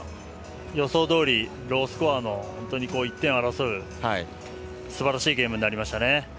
予想どおり、ロースコアの１点を争うすばらしいゲームになりましたね。